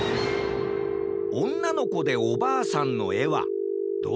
「おんなのこでおばあさん」のえはどれかな？